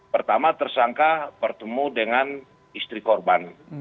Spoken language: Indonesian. pertama tersangka bertemu dengan istri korban